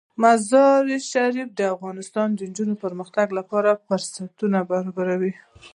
مزارشریف د افغان نجونو د پرمختګ لپاره فرصتونه برابروي.